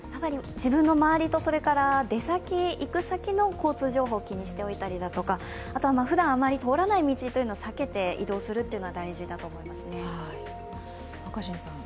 自分の周りと、それから出先行く先の交通情報を気にしておいたりだとかあとはふだんあまり通らない道は避けて移動するのが大事だと思います。